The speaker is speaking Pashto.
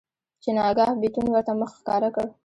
چې ناګاه بيتون ورته مخ ښکاره کړ.